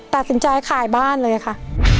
ตัดสินใจขายบ้านเลยค่ะ